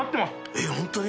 えっホントに？